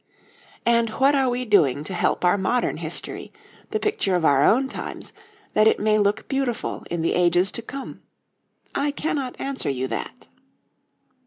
And what are we doing to help modern history the picture of our own times that it may look beautiful in the ages to come? I cannot answer you that.